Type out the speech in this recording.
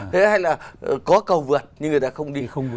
hay là có cầu vượt nhưng người ta không đi